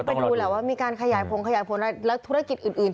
ไปดูแล้วว่ามีการขยายพงขยายพงและและธุรกิจอื่นอื่น